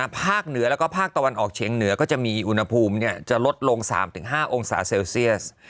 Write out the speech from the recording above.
ภาคเหนือแล้วก็ภาคตะวันออกเฉียงเหนือก็จะมีอุณหภูมิจะลดลง๓๕องศาเซลเซียส